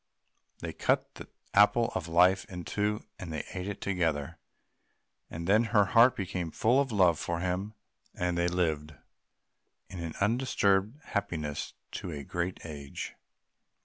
They cut the Apple of Life in two and ate it together; and then her heart became full of love for him, and they lived in undisturbed happiness to a great age.